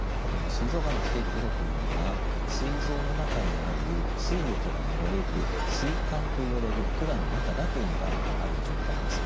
すい臓がんのステージ０というのはすい臓の中にあるすい液が流れるすい管といわれる管の中だけにがんがある状態です。